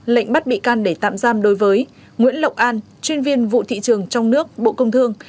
lệnh bắt bị can để tạm giam đối với nguyễn lộc an chuyên viên vụ thị trường trong nước bộ công thương